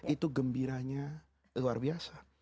itu gembiranya luar biasa